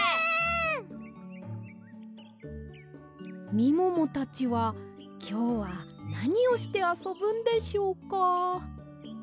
みももたちはきょうはなにをしてあそぶんでしょうか？